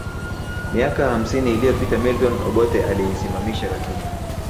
Miaka hamsini liyopita Milton Obote aliisimamisha katiba